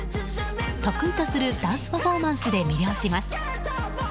得意とするダンスパフォーマンスで魅了します。